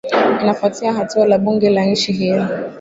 inafuatia hatua la bunge la nchi hiyo